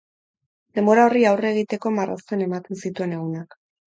Denbora horri aurre egiteko marrazten ematen zituen egunak.